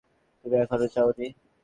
তুমি এখনও যাওনি?